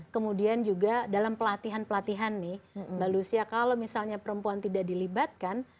kemudian juga dalam pelatihan pelatihan nih mbak lucia kalau misalnya perempuan tidak dilibatkan